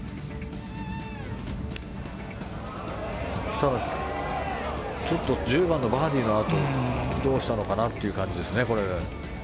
ただ、ちょっと１０番のバーディーのあとどうしたのかなという感じですね。